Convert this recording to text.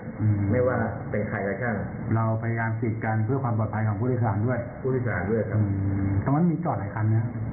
ก็ประมาณ๑๖๑๗คัน